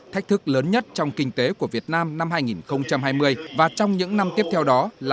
thách thức lớn nhất trong kinh tế của việt nam năm hai nghìn hai mươi và trong những năm tiếp theo đó là